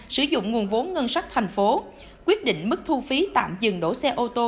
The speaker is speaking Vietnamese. sử dụng nguồn vốn ngân sách thành phố quyết định mức thu phí tạm dừng đổ xe ô tô